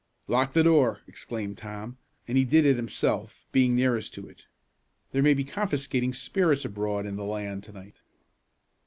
"Lock the door!" exclaimed Tom, and he did it himself, being nearest to it. "There may be confiscating spirits abroad in the land to night."